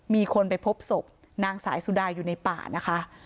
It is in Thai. มีคนไปพบศพนางสายสุดาอยู่ในป่านะคะ